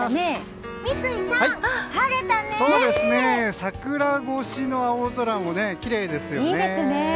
桜越しの青空もきれいですよね。